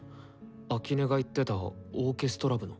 秋音が言ってたオーケストラ部の。